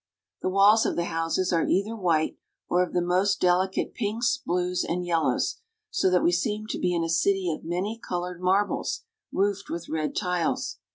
The walls of the houses are either white, or of the most delicate pinks, blues, and yellows, so that we seem to be in a city of many colored marbles, roofed with red tiles.